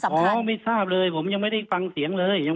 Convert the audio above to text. สำคัญอ๋อไม่ทราบเลยผมยังไม่ได้ฟังเสียงเลยยัง